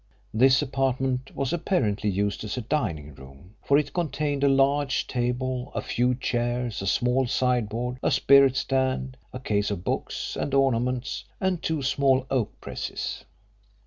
This apartment was apparently used as a dining room, for it contained a large table, a few chairs, a small sideboard, a spirit stand, a case of books and ornaments, and two small oak presses.